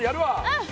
うん。